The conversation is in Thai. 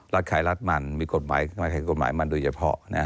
รัฐขายรัฐมันมีกฏหมายมันดูอย่างพอ